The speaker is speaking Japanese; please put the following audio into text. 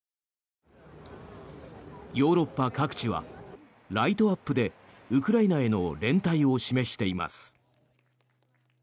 ヨーロッパ各地はライトアップでウクライナへの連帯を示しています。